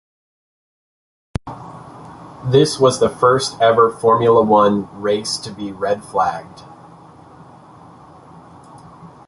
This was the first ever Formula One race to be red flagged.